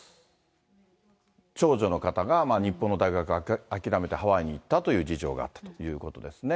長女の方が日本の大学を諦めてハワイに行ったという事情があったということですね。